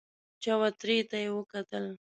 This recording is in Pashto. چوترې ته يې وکتل.